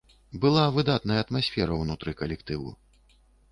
Была выдатная атмасфера ўнутры калектыву.